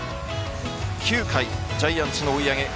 ９回ジャイアンツの追い上げ。